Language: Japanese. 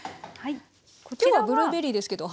今日はブルーベリーですけど。